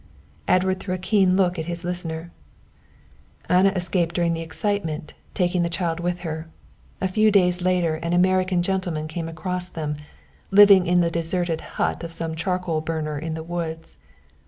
Edward threw a keen look at his listener. "Anna escaped during the excitement, taking the child with her. A few days later, an American gentleman came across them, living in the deserted hut of some charcoal burner in the woods.